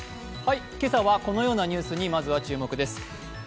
今朝はこのようなニュースにまずは注目です。